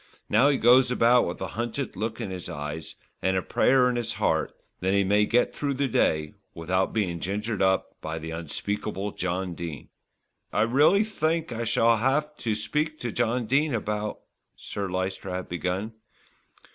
Now he goes about with a hunted look in his eyes, and a prayer in his heart that he may get through the day without being gingered up by the unspeakable John Dene." "I really think I shall have to speak to Mr. Dene about " Sir Lyster had begun.